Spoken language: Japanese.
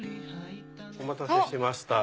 お待たせしました